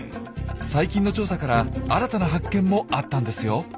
最近の調査から新たな発見もあったんですよ。